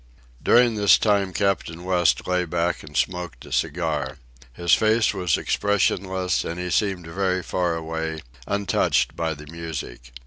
During this time Captain West lay back and smoked a cigar. His face was expressionless, and he seemed very far away, untouched by the music.